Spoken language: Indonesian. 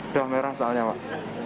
udah merah soalnya pak